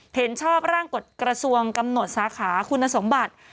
เห็นชอบร่างกฎกระทรวงกำหนดสาขาคุณสมบัติ